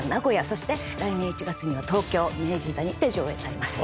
そして来年１月には東京明治座にて上演されます。